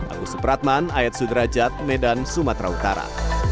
agus pratman ayat sudrajat medan sumatra utara